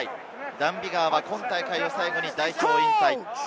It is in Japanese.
ダン・ビガーは今大会を最後に代表引退。